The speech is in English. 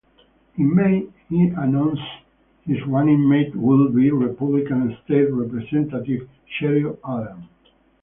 In May, he announced his running mate would be Republican State Representative Sheryl Allen.